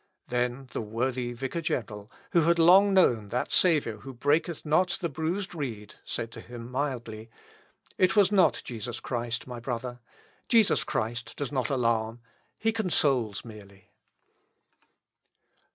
Then the worthy vicar general, who had long known that Saviour who breaketh not the bruised reed, said to him mildly, "It was not Jesus Christ, my brother. Jesus Christ does not alarm he consoles merely."